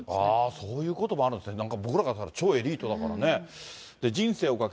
そういうこともあるんですね、なんか僕らからしたら、超エリートだからね。